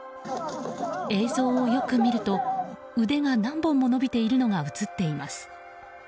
映像をよく見ると腕が何本も伸びているのが映っています。